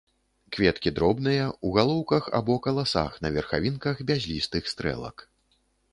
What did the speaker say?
Кветкі дробныя, у галоўках або каласах на верхавінках бязлістых стрэлак.